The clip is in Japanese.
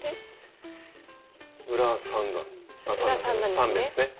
裏３目ですね。